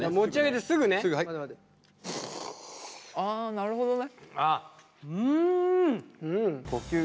なるほどね。